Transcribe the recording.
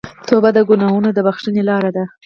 توبه د ګناهونو د بخښنې لاره ده.